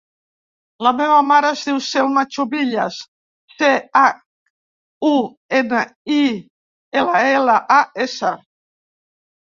La meva mare es diu Salma Chumillas: ce, hac, u, ema, i, ela, ela, a, essa.